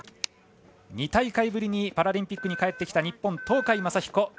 ２大会ぶりにパラリンピックに帰ってきた日本、東海将彦。